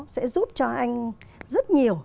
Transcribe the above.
sẽ giúp cho anh rất nhiều